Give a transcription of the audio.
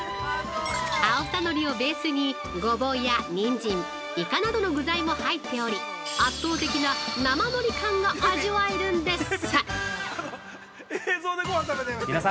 ◆アオサノリをベースにゴボウやニンジン、イカなどの具材も入っており、圧倒的な生のり感が味わえるんです。